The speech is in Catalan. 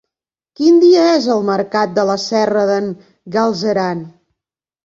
Quin dia és el mercat de la Serra d'en Galceran?